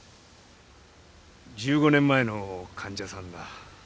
１５年前の患者さんだ。